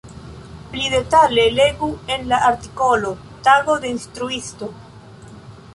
Pli detale legu en la artikolo Tago de instruisto.